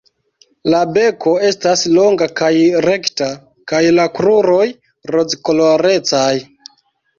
La beko estas longa kaj rekta kaj la kruroj rozkolorecaj.